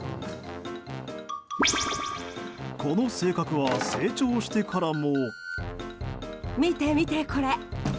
この性格は、成長してからも。